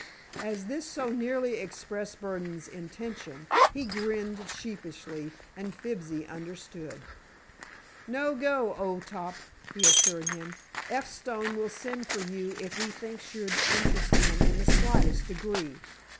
As this so nearly expressed Burdon's intention, he grinned sheepishly, and Fibsy understood. "No go, old top," he assured him. "F. Stone will send for you if he thinks you'll interest him in the slightest degree.